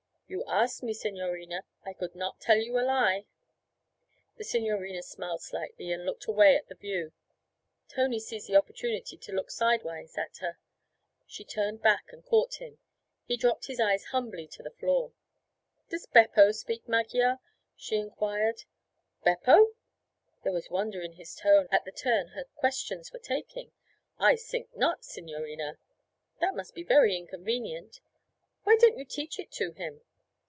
'You asked me, signorina; I could not tell you a lie.' The signorina smiled slightly and looked away at the view; Tony seized the opportunity to look sidewise at her. She turned back and caught him; he dropped his eyes humbly to the floor. 'Does Beppo speak Magyar?' she inquired. 'Beppo?' There was wonder in his tone at the turn her questions were taking. 'I sink not, signorina.' 'That must be very inconvenient. Why don't you teach it to him?'